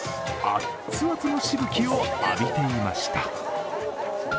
アツアツのしぶきを浴びていました。